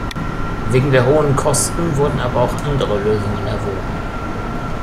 Wegen der hohen Kosten wurden aber auch andere Lösungen erwogen.